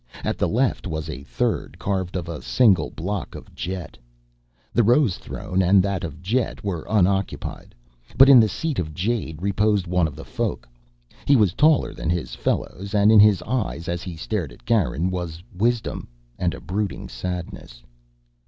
At the left was the third, carved of a single block of jet. The rose throne and that of jet were unoccupied, but in the seat of jade reposed one of the Folk. He was taller than his fellows, and in his eyes, as he stared at Garin, was wisdom and a brooding sadness.